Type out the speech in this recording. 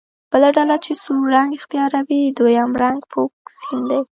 بله ډله چې سور رنګ اختیاروي دویم رنګ فوکسین دی.